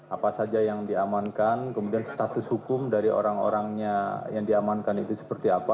apa saja yang diamankan kemudian status hukum dari orang orangnya yang diamankan itu seperti apa